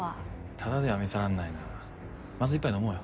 ただでは見せらんないなまず一杯飲もうよ。